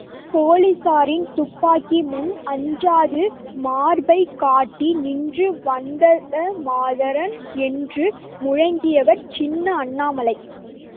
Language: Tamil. போலீசாரின் துப்பாக்கி முன் அஞ்சாது மார்பைக் காட்டி நின்று வந்தேமாதரம் என்று முழங்கியவர் சின்ன அண்ணாமலை.